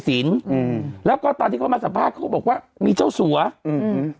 อืมแล้วก็ตอนที่เขามาสัมภาษณ์เขาก็บอกว่ามีเจ้าสัวอืม